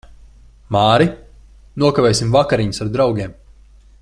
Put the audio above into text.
Māri, nokavēsim vakariņas ar draugiem.